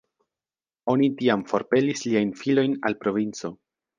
Oni tiam forpelis liajn filojn al provinco.